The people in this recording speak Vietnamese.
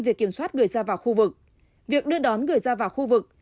về kiểm soát gửi ra vào khu vực việc đưa đón gửi ra vào khu vực